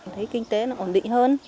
thấy kinh tế nó ổn định hơn